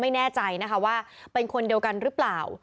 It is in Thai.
ไม่แน่ใจนะคะว่าเป็นคนเดียวกันหรือเปล่า